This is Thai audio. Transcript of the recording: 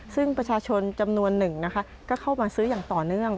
ซึ่งประชาชนจำนวนหนึ่งนะคะก็เข้ามาซื้ออย่างต่อเนื่อง